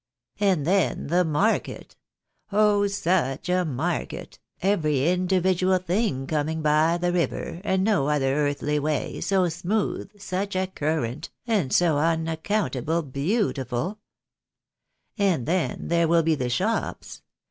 And then the market ! Oh, such a market ! every individual thing coming by the river, and no other earthly way, so smooth, such a current, and so unaccountable beau tiful 1 And then there will be the shops.